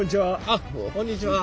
あっこんにちは。